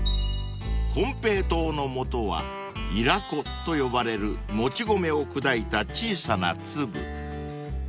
［コンペイトーのもとはイラ粉と呼ばれるもち米を砕いた小さな粒］